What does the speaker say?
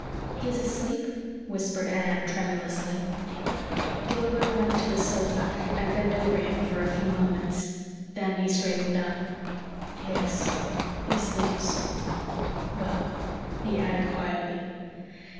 "He is asleep?" whispered Anne tremulously. Gilbert went to the sofa and bent over him for a few moments. Then he straightened up. "Yes, he sleeps well," he added quietly.